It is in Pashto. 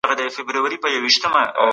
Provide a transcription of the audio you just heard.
متلونه د تجربو پايله ده.